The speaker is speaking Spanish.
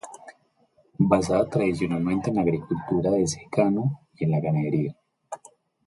Basada tradicionalmente en la agricultura de secano y en la ganadería.